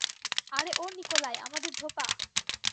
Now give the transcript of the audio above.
আরে ও নিকোলাই, আমাদের ধোপা।